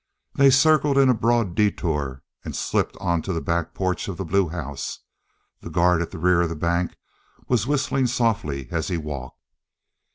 They circled in a broad detour and slipped onto the back porch of the blue house; the guard at the rear of the bank was whistling softly as he walked.